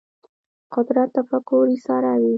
قدرت تفکر ایساروي